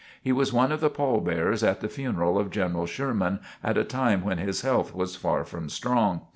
He was one of the pall bearers at the funeral of General Sherman at a time when his health was far from strong.